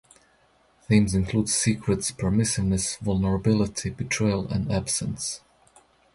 Themes include secrets, permissiveness, vulnerability, betrayal, and absence.